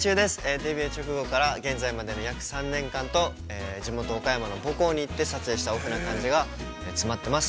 デビュー直後から現在までの約３年間と、地元岡山の母校に行って撮影したオフな感じが詰まっています。